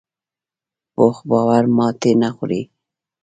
پوخ باور ماتې نه خوري